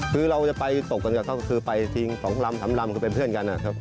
คือเราจะไปตกกันก็คือไปทิ้ง๒ลำ๓ลำคือเป็นเพื่อนกันนะครับ